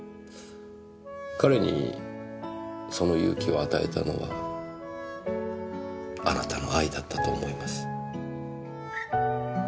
彼にその勇気を与えたのはあなたの愛だったと思います。